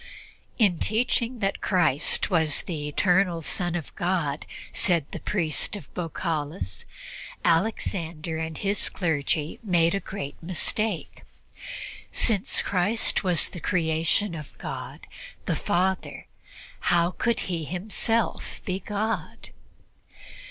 "In teaching that Christ was the Eternal Son of God," said the priest of Baukalis, "Alexander and his clergy made a great mistake. Since Christ was the creation of God the Father, how could He Himself be God?"